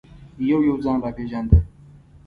یو یو ځان را پېژانده.